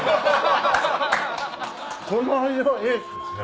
この味はエースですね。